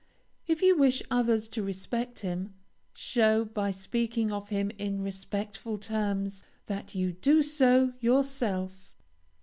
If you wish others to respect him, show by speaking of him in respectful terms that you do so yourself.